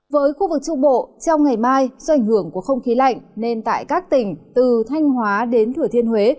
với khu vực trung bộ trong ngày mai do ảnh hưởng của không khí lạnh nên tại các tỉnh từ thanh hóa đến thừa thiên huế